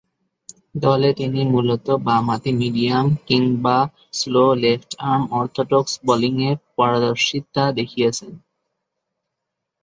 দলে তিনি মূলতঃ বামহাতি মিডিয়াম কিংবা স্লো লেফট আর্ম অর্থোডক্স বোলিংয়ে পারদর্শিতা দেখিয়েছেন।